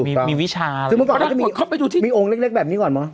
มีมีวิชาอะไรเขาไปดูที่มีองค์เล็กเล็กแบบนี้ก่อนมั้ง